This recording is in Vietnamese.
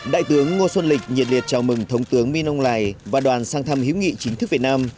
đại tướng ngô xuân lịch nhiệt liệt chào mừng thống tướng minh âu lài và đoàn sang thăm hữu nghị chính thức việt nam